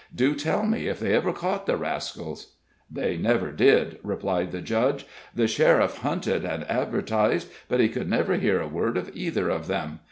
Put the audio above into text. Do tell me if they ever caught the rascals." "They never did," replied the Judge. "The sheriff hunted and advertised, but he could never hear a word of either of them.